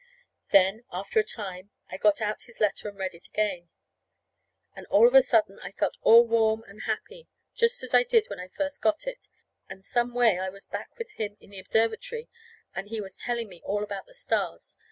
Then, after a time, I got out his letter and read it again. And all of a sudden I felt all warm and happy, just as I did when I first got it; and some way I was back with him in the observatory and he was telling me all about the stars.